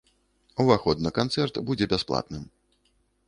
Уваход на канцэрт будзе бясплатным.